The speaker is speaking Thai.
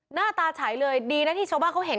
หน้าตาเฉยเลยดีนะที่ชาวบ้านเขาเห็น